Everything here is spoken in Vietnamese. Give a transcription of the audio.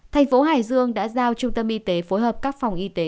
thành phố hải dương đã giao trung tâm y tế phối hợp các phòng y tế